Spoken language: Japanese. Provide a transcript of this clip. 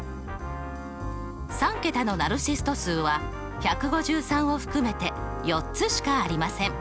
３桁のナルシスト数は１５３を含めて４つしかありません。